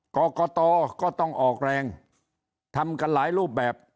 กรกตก็ต้องออกแรงทำกันหลายรูปแบบ